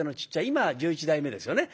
今は十一代目ですよね。